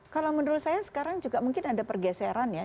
kalau menurut saya sekarang juga mungkin ada pergeseran ya